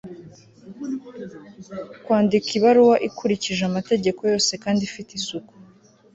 kwandika ibaruwa ikurikije amategeko yose kandi ifite isuku